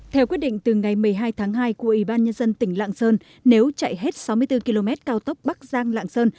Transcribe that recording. theo quyết định từ ngày một mươi hai tháng hai của ủy ban nhân dân tỉnh lạng sơn nếu chạy hết sáu mươi bốn km cao tốc bắc giang lạng sơn